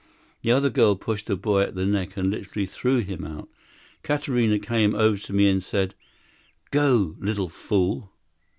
The other girl pushed her boy at the neck and literally threw him out. Katarina came over to me, and said: "Go, little fool!"